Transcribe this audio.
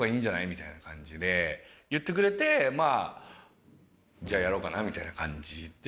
みたいな感じで言ってくれてまあじゃあやろうかなみたいな感じで。